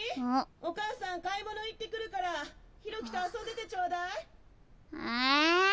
お母さん買い物行ってくるから弘毅と遊んでてちょうだい。え！